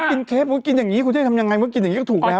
ก็กินเค้กก็กินอย่างงี้กูจะได้ทำยังไงเพราะกินอย่างงี้ก็ถูกแล้ว